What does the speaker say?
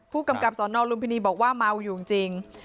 ผู้กำกับสนลุมพินีบอกว่าเมาอยู่จริง